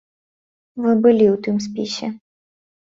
Вы былі ў тым спісе.